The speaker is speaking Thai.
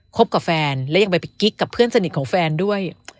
กับแฟนและยังไปกิ๊กกับเพื่อนสนิทของแฟนด้วย